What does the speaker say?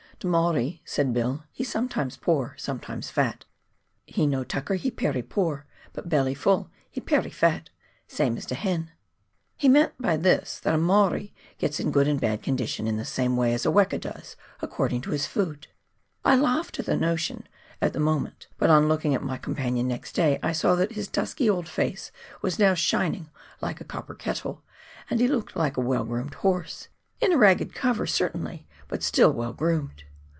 " De Maori," said Bill, " he sometimes pore, sometimes fat ; he no tucker he pery pore — but belly full he pery fat — same as de hen." He meant by this that a Maori gets in good and bad con dition in the same way as a weka does, according to his food. I laughed at the notion, at the moment, but on looking at my companion next day, I saw th it his dusky old face was now shining like a copper kettle, and he looked like a well groomed horse — in a ragged cover, certainly, but still well groomed.